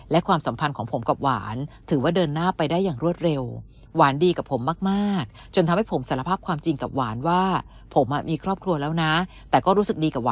และความสัมพันธ์ของผมกับหวานถือว่าเดินหน้าไปได้อย่างรวดเร็ว